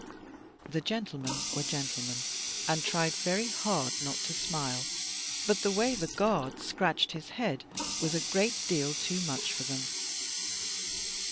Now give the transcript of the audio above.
The gentlemen were gentlemen, and tried very hard not to smile; but the way the guard scratched his head was a great deal too much for them.